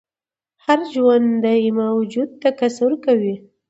هر ژوندی موجود تکثیر کوي